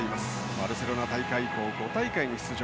バルセロナ大会以降５大会に出場。